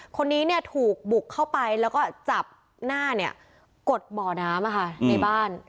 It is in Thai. คนนี้เนี่ยถูกบุกเข้าไปแล้วก็จับหน้าเนี่ยกดบ่อน้ำในบ้าน